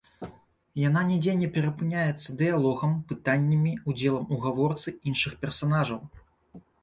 Яна нідзе не перапыняецца дыялогам, пытаннямі, удзелам у гаворцы іншых персанажаў.